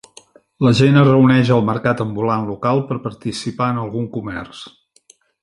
La gent es reuneix al mercat ambulant local per participar en algun comerç